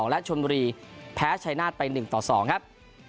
และชนบุรีแพ้ชายนาฏไป๑ต่อ๒ครับ